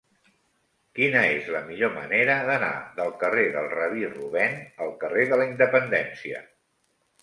Quina és la millor manera d'anar del carrer del Rabí Rubèn al carrer de la Independència?